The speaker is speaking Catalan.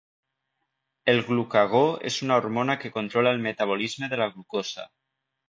El glucagó és una hormona que controla el metabolisme de la glucosa.